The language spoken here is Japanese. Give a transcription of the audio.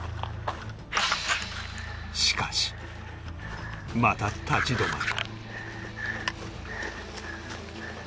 しかしまた立ち止まる